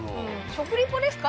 食リポですか？